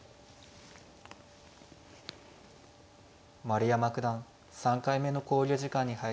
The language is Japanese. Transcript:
丸山九段３回目の考慮時間に入りました。